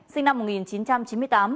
sinh năm một nghìn chín trăm chín mươi tám